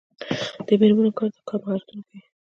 د میرمنو کار د کار مهارتونه ورښيي.